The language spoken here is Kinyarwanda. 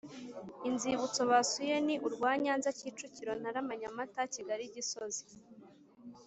Inzibutso basuye ni urwa Nyanza Kicukiro Ntarama Nyamata Kigali Gisozi